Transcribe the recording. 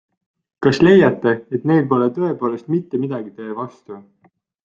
Kas leiate, et neil pole tõepoolest mitte midagi teie vastu?